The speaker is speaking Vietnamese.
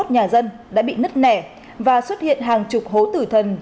một trăm chín mươi một nhà dân đã bị nứt nẻ và xuất hiện hàng chục hố tử thần